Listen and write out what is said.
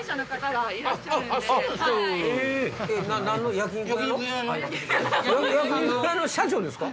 焼肉屋の社長ですか？